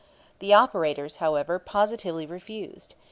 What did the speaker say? The operators, however, positively refused.